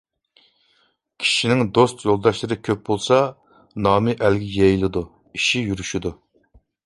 كىشىنىڭ دوست يولداشلىرى كۆپ بولسا، نامى ئەلگە يېيىلىدۇ، ئىشى يۈرۈشىدۇ.